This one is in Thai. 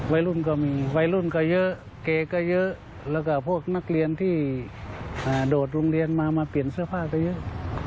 วัยรุ่นก็มีวัยรุ่นก็เยอะเกย์ก็เยอะแล้วก็พวกนักเรียนที่โดดโรงเรียนมามาเปลี่ยนเสื้อผ้าก็เยอะ